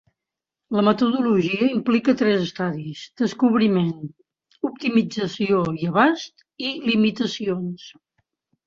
La metodologia implica tres estadis: descobriment, optimització i abast, i limitacions.